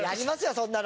そんなの。